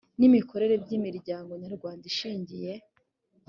n imikorere by imiryango nyarwanda ishingiye